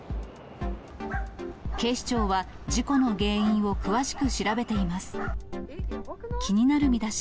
警視庁は事故の原因を詳しく調べています。